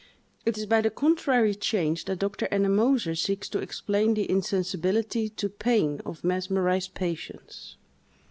It is by the contrary change that Dr. Ennemoser seeks to explain the insensibility to pain of mesmerized patients.